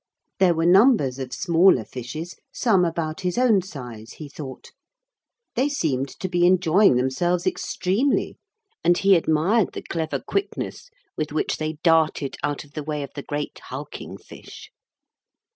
There were numbers of smaller fishes, some about his own size, he thought. They seemed to be enjoying themselves extremely, and he admired the clever quickness with which they darted out of the way of the great hulking fish.